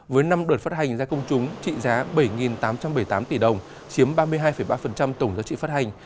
với năm đợt phát hành ra công chúng trị giá bảy tám trăm bảy mươi tám tỷ đồng chiếm ba mươi hai ba tổng giá trị phát hành